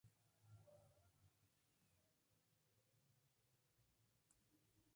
Al año siguiente, Rodrigues repetiría su victoria en la Vuelta a Portugal.